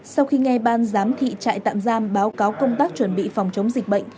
sau khi nghe ban giám thị trại tạm giam báo cáo công tác chuẩn bị phòng chống dịch bệnh